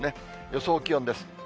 予想気温です。